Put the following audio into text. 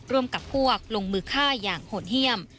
ร่วมกับพวกลงมือฆ่าอย่างโหดเยี่ยม